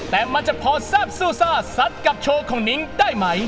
แต่มันจะพอแซ่บซู่ซ่าซัดกับโชว์ของนิ้งได้ไหม